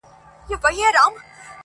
بحثونه بيا بيا تکرارېږي تل-